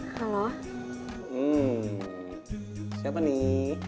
hmm siapa nih